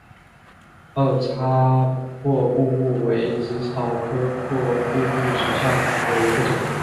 二叉破布木为紫草科破布木属下的一个种。